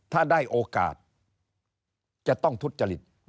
ถ้าได้โอกาสจะต้องทุจริต